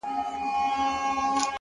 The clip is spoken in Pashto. يا الله تې راته ژوندۍ ولره،